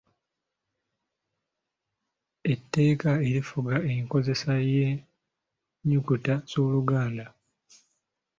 Etteeka erifuga enkozesa y'ennyukuta z'Oluganda.